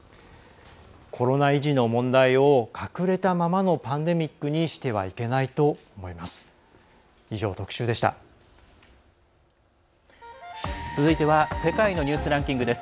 コロナ遺児の問題を隠れたままのパンデミックにしてはいけないと思います。